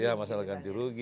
ya masalah ganti rugi